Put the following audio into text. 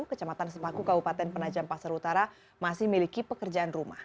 kecamatan sepaku kabupaten penajam pasar utara masih miliki pekerjaan rumah